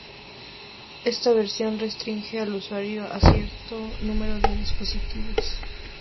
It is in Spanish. Esta versión restringe al usuario a cierto número de dispositivos.